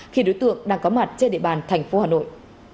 khi đối tượng đang có mặt trên địa bàn thành phố hà nội